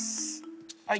はい。